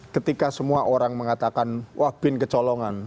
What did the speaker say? ketika semua orang mengatakan wah bin kecolongan